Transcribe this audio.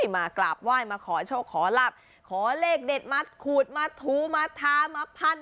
มากราบไหว้มาขอโชคขอรับขอเลขเด็ดมัดขูดมาถูมาทามาพัน